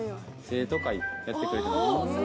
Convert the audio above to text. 生徒会やってくれてます。